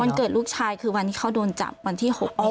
วันเกิดลูกชายคือวันที่เขาโดนจับวันที่๖เมษายน